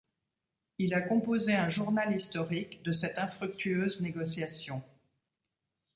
Il a composé un journal historique de cette infructueuse négociation.